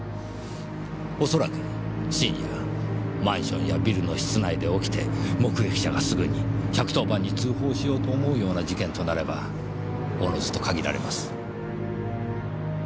おそらく深夜マンションやビルの室内で起きて目撃者がすぐに１１０番に通報しようと思うような事件となればおのずと限られます。